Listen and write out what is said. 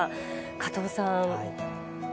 加藤さん。